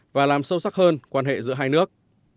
và làm sâu sắc hơn quan hệ giữa hai nước